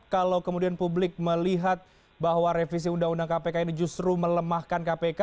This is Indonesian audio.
kalau kemudian publik melihat bahwa revisi undang undang kpk ini justru melemahkan kpk